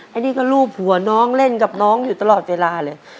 อันนี้ก็รูปหัวน้องเล่นกับน้องอยู่ตลอดเวลาเลย